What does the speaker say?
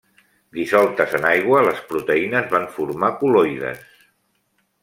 Dissoltes en aigua, les proteïnes van formar col·loides.